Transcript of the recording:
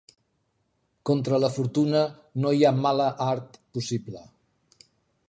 Contra la fortuna no hi ha mala art possible.